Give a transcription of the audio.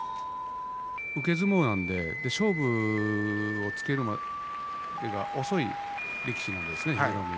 受け相撲なので勝負をつけるまでが遅い力士なんですね、英乃海は。